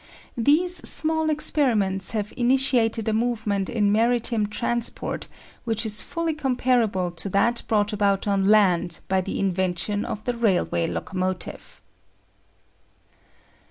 These small experiments have initiated a movement in maritime transport which is fully comparable to that brought about on land by the invention of the railway locomotive.